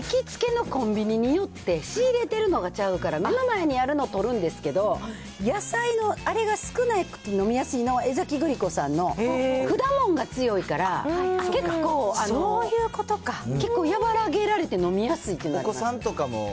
私ね、行きつけのコンビニによって仕入れてるのがちゃうから、目の前にあるのを取るんですけど、野菜のあれが少なくて飲みやすいのは、江崎グリコさんのくだもんが強いから、結構結構和らげられて飲みやすいっていうのあります。